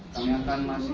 kami akan masih